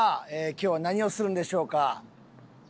今日は何をするんでしょうか。